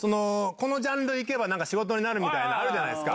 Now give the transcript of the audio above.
このジャンルいけば、なんか仕事になるみたいな、あるじゃないですか。